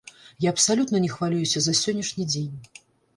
Я абсалютна не хвалююся за сённяшні дзень.